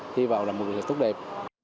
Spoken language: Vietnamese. hy vọng là một việc tốt đẹp